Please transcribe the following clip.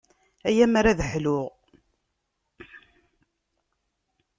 Ay ammer ad ḥluɣ.